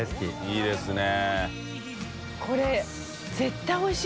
いいですね。